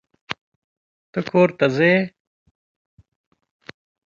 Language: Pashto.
ته کورته ځې؟